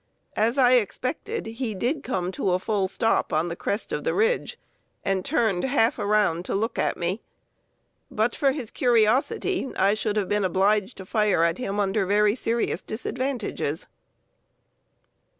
As I expected, he did come to a fall stop on the crest of the ridge, and turned half around to look at me. But for his curiosity I should have been obliged to fire at him under very serious disadvantages.